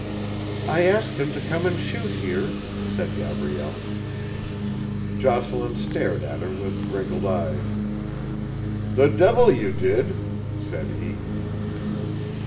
"I asked him to come and shoot here," said Gabrielle. Jocelyn stared at her with wrinkled eyes. "The devil you did!" said he.